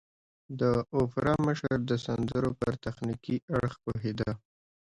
د اوپرا مشر د سندرو پر تخنيکي اړخ پوهېده.